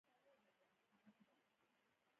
زردالو له طبیعي فضا سره دوست دی.